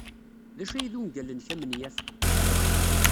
D acu ay d ungal-nnek amenyaf?